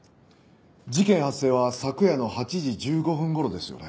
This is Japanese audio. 事件発生は昨夜の８時１５分頃ですよね？